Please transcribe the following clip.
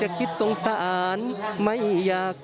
และก็มีการกินยาละลายริ่มเลือดแล้วก็ยาละลายขายมันมาเลยตลอดครับ